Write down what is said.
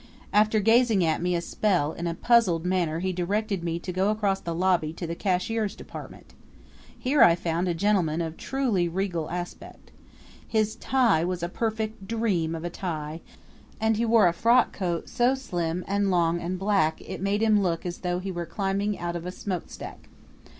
After gazing at me a spell in a puzzled manner he directed me to go across the lobby to the cashier's department. Here I found a gentleman of truly regal aspect. His tie was a perfect dream of a tie, and he wore a frock coat so slim and long and black it made him look as though he were climbing out of a smokestack.